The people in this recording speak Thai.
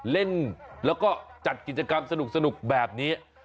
เล่นแล้วก็จัดกิจกรรมสนุกแบบนี้